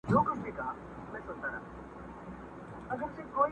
شماره هغه بس چي خوی د سړو راوړي.